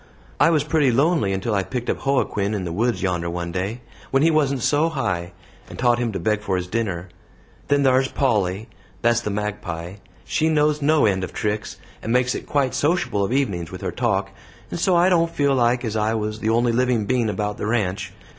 I was pretty lonely until I picked up Joaquin in the woods yonder one day, when he wasn't so high, and taught him to beg for his dinner; and then thar's Polly that's the magpie she knows no end of tricks, and makes it quite sociable of evenings with her talk, and so I don't feel like as I was the only living being about the ranch.